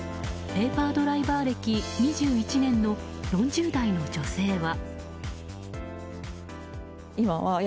ペーパードライバー歴５年の３０代の女性は。